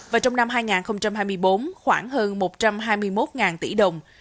và trong năm hai nghìn hai mươi bốn khoảng hơn một trăm hai mươi một tỷ đồng